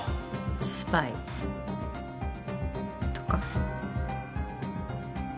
スパイ。とか？